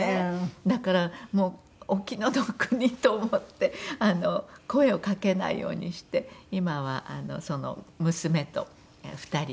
だからもうお気の毒にと思って声をかけないようにして今は娘と２人で食べています。